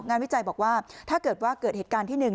งานวิจัยบอกถ้าเกิดเหตุการณ์ที่๑